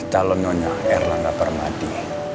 talonnya erlangga parmadi